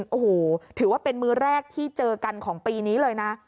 โอ้โหถือว่าเป็นมือแรกที่เจอกันของปีนี้เลยนะ